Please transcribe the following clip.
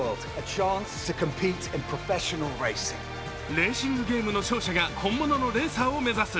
レーシングゲームの勝者が本物のレーサーを目指す。